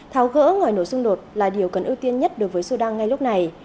thao gỡ ngoài nổ xung đột là điều cần ưu tiên nhất đối với sudan ngay lúc này